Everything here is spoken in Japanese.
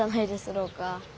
ろうか。